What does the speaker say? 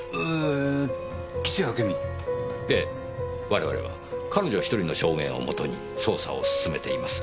我々は彼女１人の証言をもとに捜査を進めています。